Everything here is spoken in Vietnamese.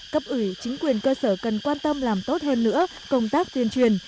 cấp ủy chính quyền cơ sở cần quan tâm làm tốt hơn nữa công tác tuyên truyền